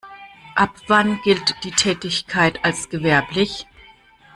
Ab wann gilt die Tätigkeit als gewerblich?